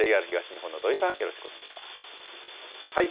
ＪＲ東日本の土居さん、よろしくお願いします。